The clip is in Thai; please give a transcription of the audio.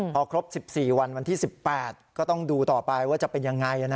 พอครบ๑๔วันวันที่๑๘ก็ต้องดูต่อไปว่าจะเป็นยังไง